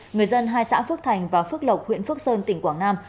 người dân hai xã phước thành và phước lộc huyện phước sơn tỉnh quảng nam